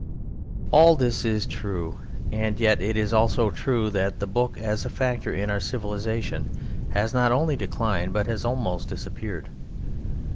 All this is true; and yet it is also true that the Book as a factor in our civilization has not only declined but has almost disappeared.